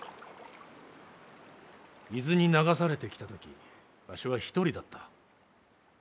伊豆に流されてきた時わしは一人だった。